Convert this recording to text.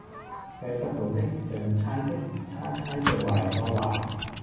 計不到的，就用猜的，猜一猜最壞有多壞